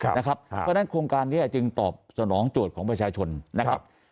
เพราะฉะนั้นโครงการนี้จึงตอบสนองโจทย์ของประชาชนนะครับ